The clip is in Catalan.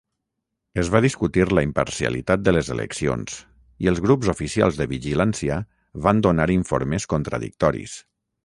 Es va discutir la imparcialitat de les eleccions, i els grups oficials de vigilància van donar informes contradictoris.